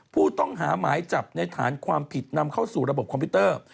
ผู้ต้องหาหมายจับในฐานความผิดนำเข้าสู่ระบบคอมพิวเตอร์